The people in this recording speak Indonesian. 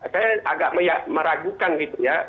saya agak meragukan gitu ya